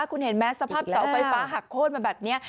คุณเห็นไหมสภาพเสาไฟฟ้าหักโค้นมาแบบนี้